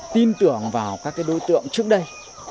đối tượng vào các đối tượng trước đây